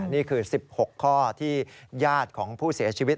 นี่คือ๑๖ข้อที่ญาติของผู้เสียชีวิต